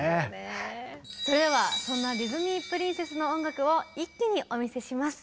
それではそんなディズニープリンセスの音楽を一気にお見せします。